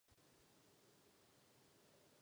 Podle polských podkladů ji připravil Vlastislav Toman.